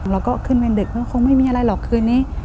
เราก็ขึ้นไปดึกคงไม่มีอะไรหรอกคืนนี้